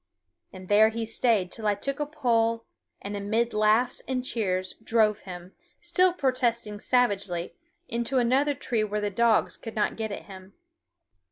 And there he stayed till I took a pole and amid laughs and cheers drove him, still protesting savagely, into another tree where the dogs could not get at him.